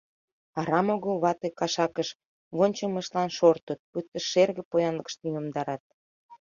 Арам огыл вате кашакыш вончымыштлан шортыт, пуйто шерге поянлыкыштым йомдарат.